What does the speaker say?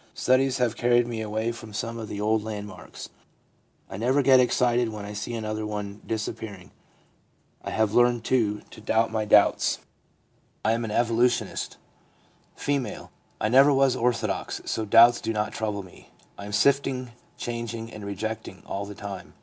'Studies have carried me away from some of the old landmarks ; I never get excited when I see another one disappearing. I have learned, too, to " doubt my doubts." I am an 3 o 4 THE PSYCHOLOGY OF RELIGION evolutionist. , F. ' I never was orthodox, so doubts do not trouble me. I am sifting, changing, rejecting, all the time.